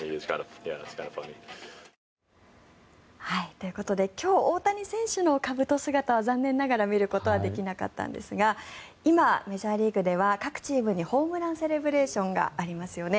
ということで今日、大谷選手のかぶと姿は残念ながら見ることはできなかったんですが今、メジャーリーグでは各チームにホームランセレブレーションがありますよね。